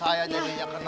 aduh perlu dipijit